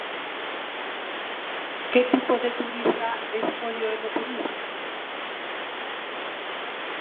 Que tipo de turista escolle o enoturismo?